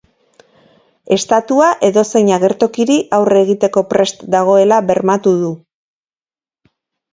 Estatua edozein agertokiri aurre egiteko prest dagoela bermatu du.